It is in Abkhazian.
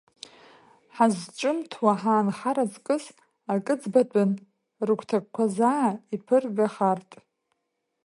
Ҳазҿымҭуа ҳаанхар аҵкыс, акы ӡбатәын, рыгәҭакқәа заа иԥыргахартә.